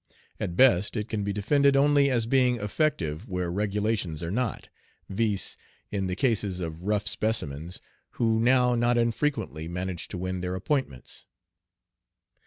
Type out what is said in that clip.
At best it can be defended only as being effective where regulations are not, viz., in the cases of rough specimens who now not infrequently manage to win their appointments.